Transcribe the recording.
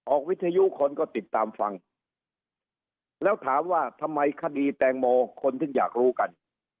วิทยุคนก็ติดตามฟังแล้วถามว่าทำไมคดีแตงโมคนถึงอยากรู้กัน